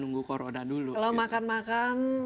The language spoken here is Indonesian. nunggu corona dulu kalau makan makan